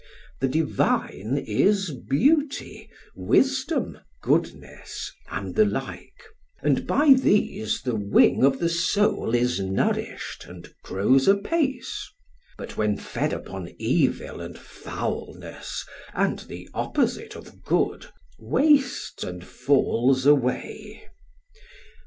The divine is beauty, wisdom, goodness, and the like; and by these the wing of the soul is nourished, and grows apace; but when fed upon evil and foulness and the opposite of good, wastes and falls away.